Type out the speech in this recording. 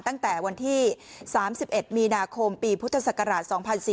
ตั้งแต่วันที่๓๑มีนาคมปีพุทธศักราช๒๔๔